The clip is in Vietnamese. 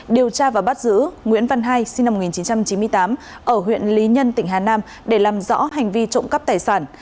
điều tra và bắt giữ nguyễn văn hai sinh năm một nghìn chín trăm chín mươi tám ở huyện lý nhân tỉnh hà nam để làm rõ hành vi trộm cắp tài sản